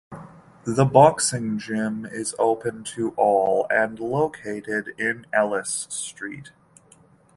The boxing gym is open to all and located in Ellis Street.